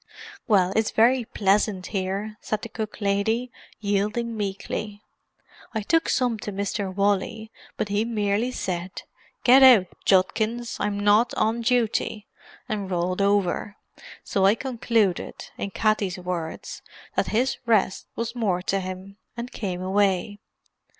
"Well, it's very pleasant here," said the cook lady, yielding meekly. "I took some to Mr. Wally, but he merely said, 'Get out, Judkins; I'm not on duty!' and rolled over. So I concluded, in Katty's words, that 'his resht was more to him,' and came away."